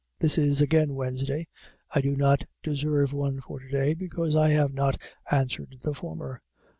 This is again Wednesday. I do not deserve one for to day, because I have not answered the former.